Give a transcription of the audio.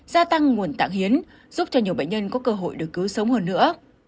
gia tăng nguồn tạng hiến giúp cho nhiều bệnh nhân có cơ hội được cứu sống hơn nữa